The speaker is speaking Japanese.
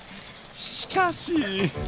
しかし。